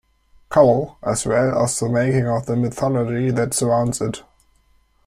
Corral, as well as the making of the mythology that surrounds it.